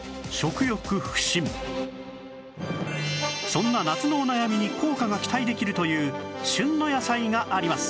そんな夏のお悩みに効果が期待できるという旬の野菜があります